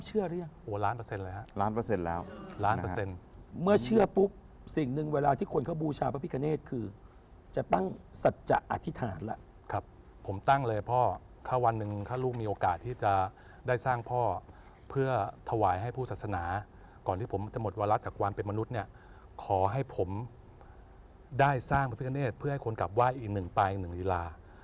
ขอให้ผมได้สร้างอมพิกเกณฑ์เพื่อให้คนกลับว่ายอีกหนึ่งปลายอีกหนึ่งฤลา